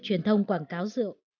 truyền thông quảng cáo rượu